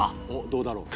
どうだろう？